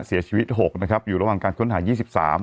หกนะครับอยู่ระหว่างการค้นหายี่สิบสาม